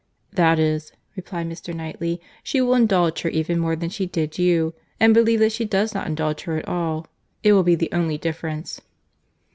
"That is," replied Mr. Knightley, "she will indulge her even more than she did you, and believe that she does not indulge her at all. It will be the only difference."